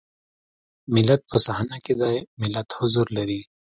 ملت په صحنه کې دی ملت حضور لري.